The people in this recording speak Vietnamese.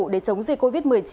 để chống dịch covid một mươi chín